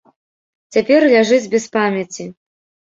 Цяпер ляжыць без памяці.